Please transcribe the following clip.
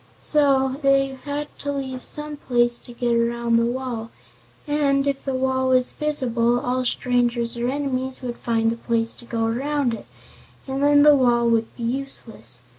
So they had to leave some place to get around the wall, and, if the wall was visible, all strangers or enemies would find the place to go around it and then the wall would be useless.